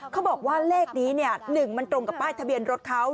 เขาบอกว่าเลขนี้๑มันตรงกับป้ายทะเบียนรถเขา